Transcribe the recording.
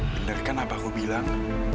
benar kan apa aku bilang